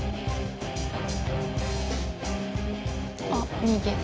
あっ逃げた。